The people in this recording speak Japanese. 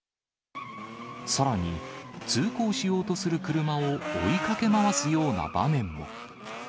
さらに、通行しようとする車を追いかけ回すような場面も。